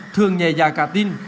thường nhẹ dài cả tin